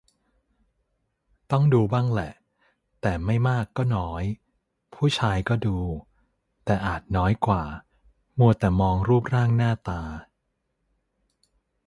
ต้องดูบ้างแหละ แต่ไม่มากก็น้อย ผู้ชายก็ดู แต่อาจน้อยกว่า มัวแต่มองรูปร่างหน้าตา